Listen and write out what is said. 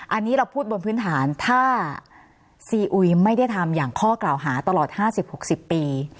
อันนี้เราพูดบนพื้นฐานถ้าซีอุยไม่ได้ทำอย่างข้อกล่าวหาตลอด๕๐๖๐ปี